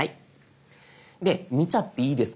で「見ちゃっていいですか？」